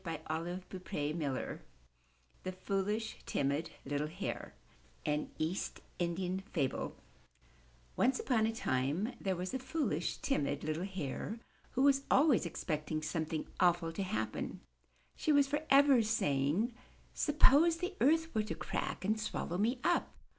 68 UP ONE PAIR OF STAIRS THE FOOLISH, TIMID, LITTLE HARE An East Indian Fable Once upon a time there was a foolish, timid, little Hare, who was always expecting something awful to happen. She was forever say ing, ''Suppose the earth were to crack and swallow me up!